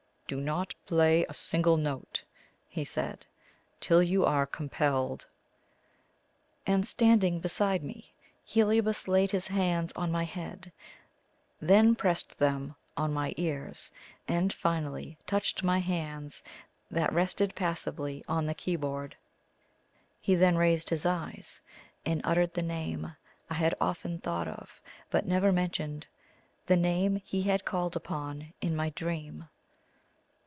"Do not play a single note," he said, "till you are compelled." And standing beside me, Heliobas laid his hands on my head, then pressed them on my ears, and finally touched my hands, that rested passively on the keyboard. He then raised his eyes, and uttered the name I had often thought of but never mentioned the name he had called upon in my dream.